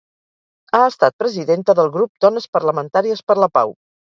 Ha estat presidenta del Grup Dones Parlamentàries per la Pau.